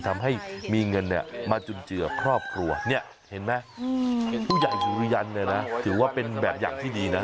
ทำให้มีเงินมาจุดเจือขอบครัวถึงผู้ใหญ่สุรรยันไทยถือว่าเป็นอย่างที่ดีนะ